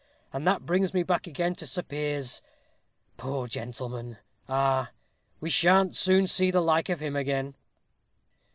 And that brings me back again to Sir Piers poor gentleman ah! we sha'n't soon see the like of him again!"